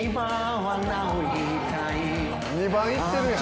２番いってるやん。